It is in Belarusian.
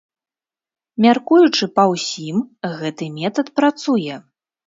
Мяркуючы па ўсім, гэты метад працуе.